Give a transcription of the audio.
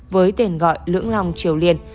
với tên gọi lưỡng long triều liên